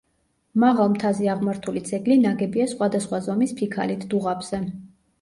მაღალ მთაზე აღმართული ძეგლი ნაგებია სხვადასხვა ზომის ფიქალით დუღაბზე.